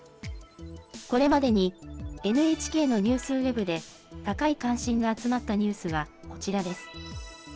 これまでにＮＨＫのニュースウェブで高い関心が集まったニュースはこちらです。